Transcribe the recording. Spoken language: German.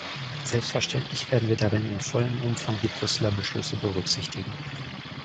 Selbstverständlich werden wir darin in vollem Umfang die Brüsseler Beschlüsse berücksichtigen.